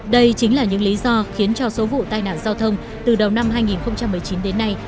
đây chính là những lý do khiến cho số vụ tai nạn giao thông từ đầu năm hai nghìn một mươi chín đến nay